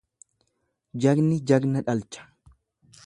Jagni jagna dhalcha.